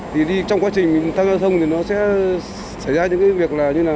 thì trong quá trình tham gia giao thông thì nó sẽ xảy ra những cái việc là như là